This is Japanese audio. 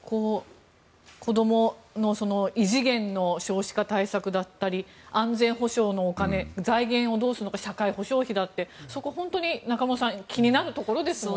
子どもの異次元の少子化対策だったり安全保障のお金財源をどうするのか社会保障費だってそこ、本当に中室さん気になるところですよね。